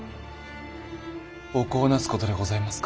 お子をなすことでございますか？